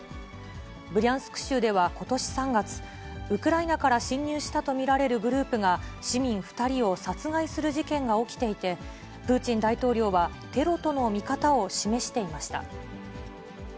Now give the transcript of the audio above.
ブリャンスク州ではことし３月、ウクライナから侵入したと見られるグループが、市民２人を殺害する事件が起きていて、プーチン大統領はテロとの見方を示していました。